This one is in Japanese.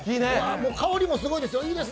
香りもすごいんですよ。